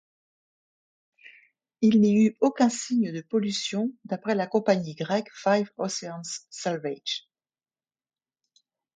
Il n’y eut aucun signe de pollution d’après la compagnie grecque Five Oceans Salvage.